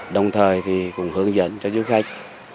đồng thời cũng hướng dẫn cho du khách